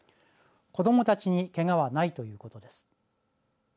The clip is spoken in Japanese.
子どもたちにけがはないということです。